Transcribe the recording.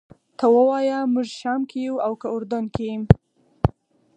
ته ووایه موږ شام کې یو او که اردن کې.